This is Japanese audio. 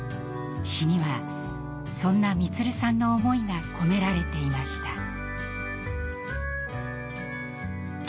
詩にはそんな満さんの思いが込められていました。